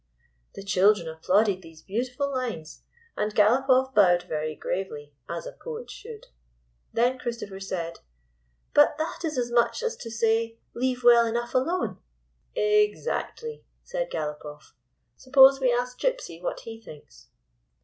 The children applauded these beautiful lines, and Galopoff bowed very gravely, as a poet should. Then Christopher said : 235 GYPSY, THE TALKING DOG " But that is as much as to say, 4 Leave well enough alone/ " 44 Exactly," said Galopoff. 44 Suppose we ask Gypsy what he thinks